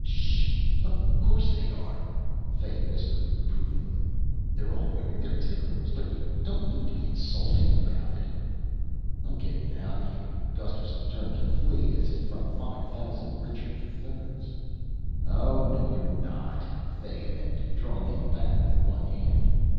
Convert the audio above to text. "Shh! Of course they are," Fay whispered reprovingly. "They're all wearing their ticklers. But you don't need to be insulting about it." "I'm gettin' out o' here." Gusterson turned to flee as if from five thousand Richard the Thirds. "Oh no you're not," Fay amended, drawing him back with one hand.